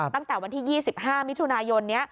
ตั้งแต่วันที่๒๕มิถุนายนนี้